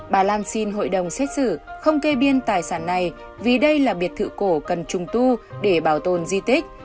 bà lan xin hội đồng xét xử không kê biên tài sản này vì đây là biệt thự cổ cần trùng tu để bảo tồn di tích